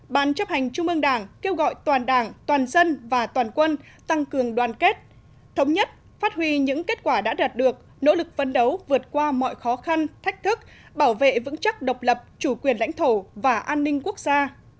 bốn ban chấp hành trung ương đảng kêu gọi toàn đảng toàn dân và toàn quân tăng cường đoàn kết thống nhất phát huy những kết quả đã đạt được nỗ lực phấn đấu vượt qua mọi khó khăn thách thức bảo vệ vững chắc độc lập chủ quyền lãnh thổ và an ninh quốc gia